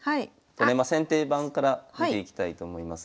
先手番から見ていきたいと思います。